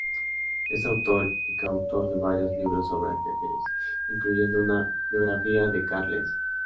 Es autor y coautor de varios libros sobre ajedrez, incluyendo una biografía de Carlsen.